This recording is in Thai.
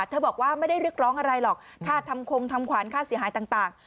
บอกว่าไม่ได้เรียกร้องอะไรหรอกค่าทำคงทำขวานค่าเสียหายต่าง